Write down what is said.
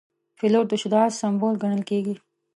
پیلوټ د شجاعت سمبول ګڼل کېږي.